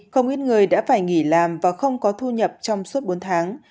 không ít người đã phải nghỉ làm và không có thu nhập trong suốt bốn tháng